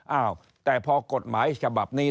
อ้าวแต่พอกฎหมายฉบับนี้